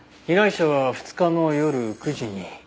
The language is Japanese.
被害者は２日の夜９時に。